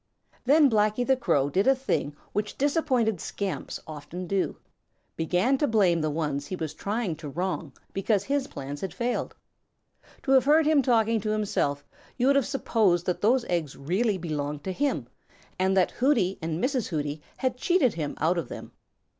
Then Blacky the Crow did a thing which disappointed scamps often do, began to blame the ones he was trying to wrong because his plans had failed. To have heard him talking to himself, you would have supposed that those eggs really belonged to him and that Hooty and Mrs. Hooty had cheated him out of them.